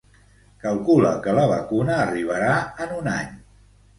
Calcula que la vacuna arribarà en un any.